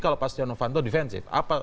kalau pak setia novanto defensif